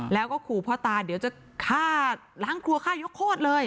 แล้วก็ขู่พ่อตาเดี๋ยวจะฆ่าล้างครัวฆ่ายกโคตรเลย